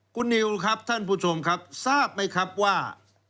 คุณนิวครับท่านผู้ชมครับทราบไหมครับว่า